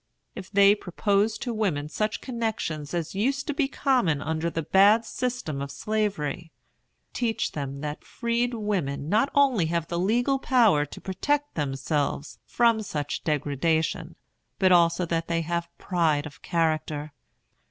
If they propose to women such connections as used to be common under the bad system of Slavery, teach them that freedwomen not only have the legal power to protect themselves from such degradation, but also that they have pride of character.